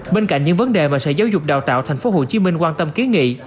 bên cạnh những vấn đề mà sở giáo dục đào tạo tp hcm quan tâm kiến nghị